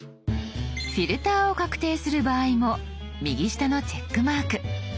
フィルターを確定する場合も右下の「チェックマーク」。